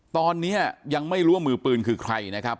ตอนนี้ยังไม่รู้ว่ามือปืนคือใครนะครับ